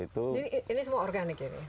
jadi ini semua organik ya